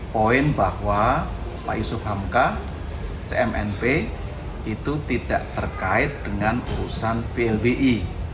poin bahwa pak yusuf hamka cmnp itu tidak terkait dengan urusan blbi